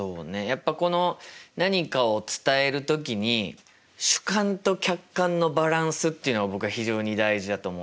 やっぱこの何かを伝える時に主観と客観のバランスっていうのが僕は非常に大事だと思ってて。